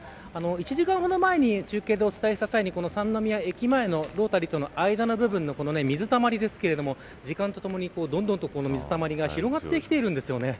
１時間ほど前に中継でお伝えしたときに三ノ宮駅前のロータリーとの間の水たまりですが時間とともに、どんどん水たまりが広がってきているんです。